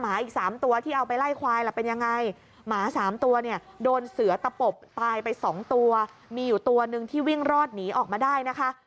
อีกสามตัวที่เอาไปไล่ควายล่ะเป็นยังไงหมาสามตัวเนี่ยโดนเสือตะปบตายไปสองตัวมีอยู่ตัวหนึ่งที่วิ่งรอดหนีออกมาได้นะคะ